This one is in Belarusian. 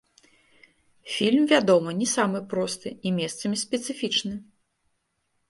Фільм, вядома, не самы просты і месцамі спецыфічны.